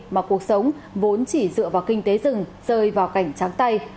mà cuộc sống vốn chỉ dựa vào kinh tế rừng rơi vào cảnh trắng tay